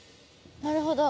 なるほど。